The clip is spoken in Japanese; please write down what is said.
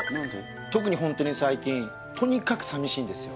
特にホントに最近とにかく寂しいんですよ